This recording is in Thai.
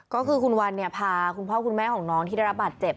ก็คือคุณวันเนี่ยพาคุณพ่อคุณแม่ของน้องที่ได้รับบาดเจ็บ